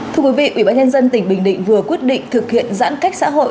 thưa quý vị ủy ban nhân dân tỉnh bình định vừa quyết định thực hiện giãn cách xã hội